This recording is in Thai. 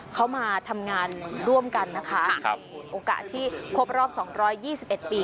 เขามาทำงานร่วมกันนะคะครับโอกาสที่ครบรอบสองร้อยยี่สิบเอ็ดปี